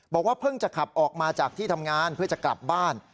บอกว่าเพิ่งจะขับออกมาจากที่ทำงานเพื่อจะกลับบ้าน